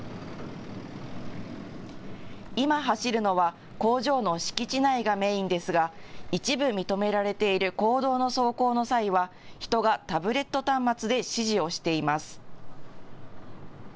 今、走るのは工場の敷地内がメインですが一部認められている公道の走行の際は人がタブレット端末で指示をしています。